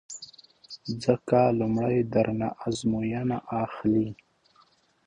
ځکه لومړی در نه ازموینه اخلي